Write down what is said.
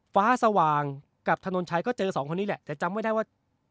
ฟ้าสว่างกับถนนชัยก็เจอสองคนนี้แหละแต่จำไม่ได้ว่า